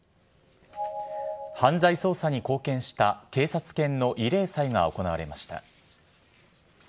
犯罪捜査に貢献した警察犬の慰霊祭が行われました。